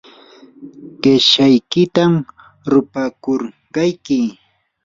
qipshaykitam rupakurqayki.